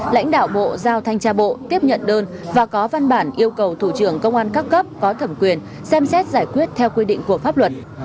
lãnh đạo bộ giao thanh tra bộ tiếp nhận đơn và có văn bản yêu cầu thủ trưởng công an các cấp có thẩm quyền xem xét giải quyết theo quy định của pháp luật